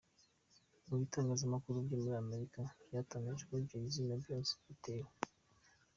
mu bitangazamakuru byo muri Amerika byatangaje ko Jay-Z na Beyonce batewe.